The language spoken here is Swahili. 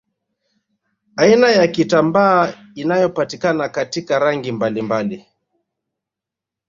Aina ya kitambaa inayopatikana katika rangi mbalimbali